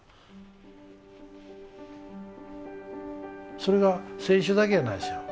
それが選手だけやないですよ。